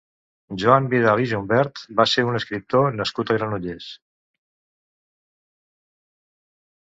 Joan Vidal i Jumbert va ser un escriptor nascut a Granollers.